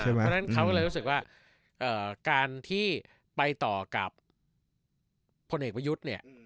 เพราะฉะนั้นเขาก็เลยรู้สึกว่าการที่ไปต่อกับพลเอกประยุทธ์เนี่ย